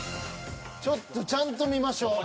ちょっとちゃんと見ましょう。